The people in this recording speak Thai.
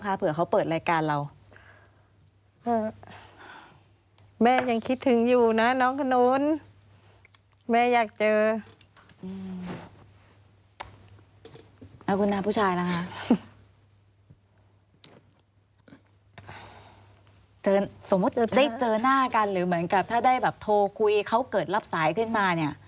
สมมุติจะได้เจอหน้ากันหรือเหมือนกับถ้าได้แบบโทรคุยเขาเกิดรับสายขึ้นมาเนี่ย